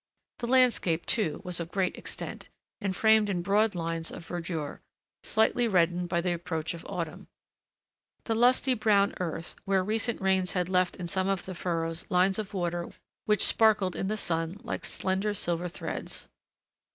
The landscape, too, was of great extent and framed in broad lines of verdure, slightly reddened by the approach of autumn, the lusty brown earth, where recent rains had left in some of the furrows lines of water which sparkled in the sun like slender silver threads.